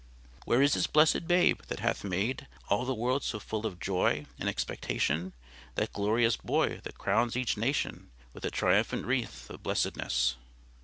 Where is this blessed Babe That hath made All the world so full of joy And expectation; That glorious Boy That crowns each nation With a triumphant wreath of blessedness?